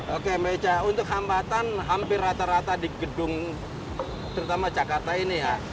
oke mbak eca untuk hambatan hampir rata rata di gedung terutama jakarta ini ya